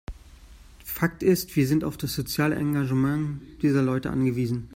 Fakt ist, wir sind auf das soziale Engagement dieser Leute angewiesen.